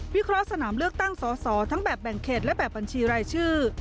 เคราะห์สนามเลือกตั้งสอสอทั้งแบบแบ่งเขตและแบบบัญชีรายชื่อ